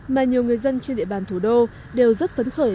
mà nhiều người dân trên địa bàn thủ đô đều rất phấn khởi